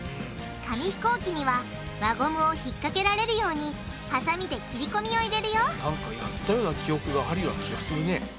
紙ひこうきには輪ゴムを引っ掛けられるようにハサミで切り込みを入れるよなんかやったような記憶があるような気がするね。